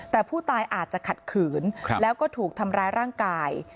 แต่ผู้ตายอาจจะขัดขืนแล้วก็ถูกทำร้ายร่างกาย